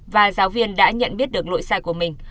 và giáo viên đã nhận biết được lỗi sai của mình